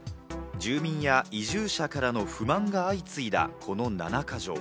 住民や移住者からの不満が相次いだ、この七か条。